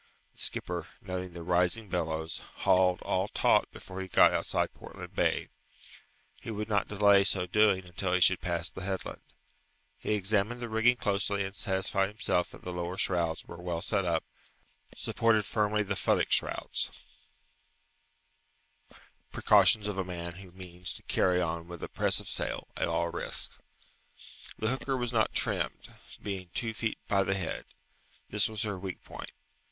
The skipper, noting the rising billows, hauled all taut before he got outside Portland Bay. He would not delay so doing until he should pass the headland. He examined the rigging closely, and satisfied himself that the lower shrouds were well set up, and supported firmly the futtock shrouds precautions of a man who means to carry on with a press of sail, at all risks. The hooker was not trimmed, being two feet by the head. This was her weak point.